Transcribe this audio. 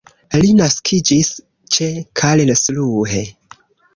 Li naskiĝis ĉe Karlsruhe.